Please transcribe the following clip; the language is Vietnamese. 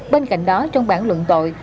bên cạnh đó trong bản luận tội